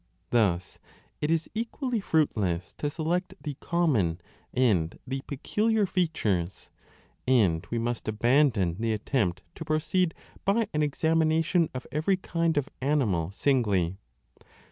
Thus it is equally fruitless to select the common and the peculiar features, and we must abandon the attempt to proceed by an examination of every kind of animal singly.